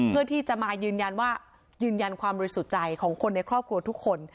เพื่อที่จะมายืนยันว่ายืนยันความบริสุทธิ์ใจของคนในครอบครัวทุกคน